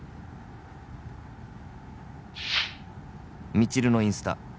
「未知留のインスタ」